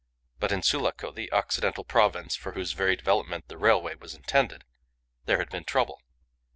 But in Sulaco the Occidental Province for whose very development the railway was intended there had been trouble.